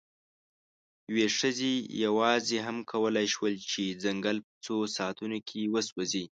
یوې ښځې یواځې هم کولی شول، چې ځنګل په څو ساعتونو کې وسوځوي.